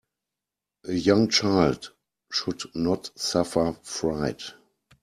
A young child should not suffer fright.